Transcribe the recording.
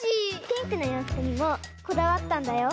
ピンクのようふくにもこだわったんだよ。